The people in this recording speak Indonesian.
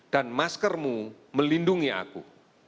dan maskermu melindungi aku